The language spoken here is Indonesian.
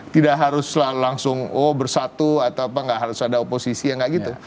tidak harus langsung oh bersatu atau apa gak harus ada oposisi ya gak gitu